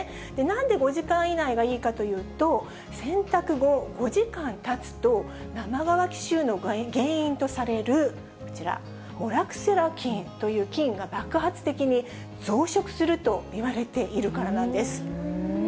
なんで５時間以内がいいかというと、洗濯後５時間たつと、生乾き臭の原因とされるこちら、モラクセラ菌という菌が爆発的に増殖するといわれているからなんです。